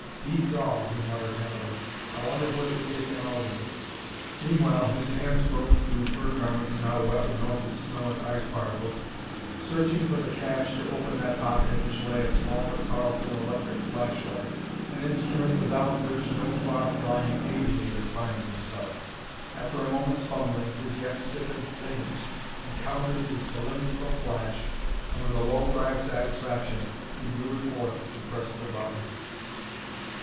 "Beats all," he muttered heavily. "I wonder where they've taken Alden?" Meanwhile his hands groped through fur garments now wet with melted snow and ice particles, searching for the catch to open that pocket in which lay a small but powerful electric flashlight, an instrument without which no far flying aviator finds himself. After a moment's fumbling, his yet stiffened fingers encountered the cylindrical flash and, with a low cry of satisfaction, he drew it forth to press the button.